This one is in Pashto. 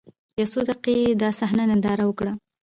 يو څو دقيقې يې دا صحنه ننداره وکړه.